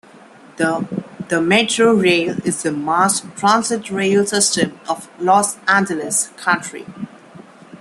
The Metro Rail is the mass transit rail system of Los Angeles County.